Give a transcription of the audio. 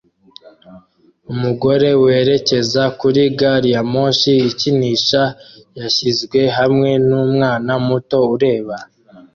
Umugore werekeza kuri gari ya moshi ikinisha yashyizwe hamwe numwana muto ureba